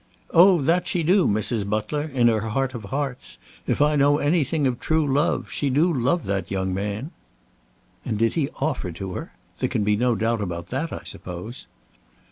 "Oh! that she do, Mrs. Butler, in her heart of hearts. If I know anything of true love, she do love that young man." "And he did offer to her? There can be no doubt about that, I suppose."